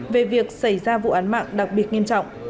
về việc xảy ra vụ án mạng đặc biệt nghiêm trọng